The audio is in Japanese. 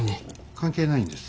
関係ないんです